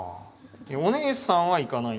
お姉さんは行かない？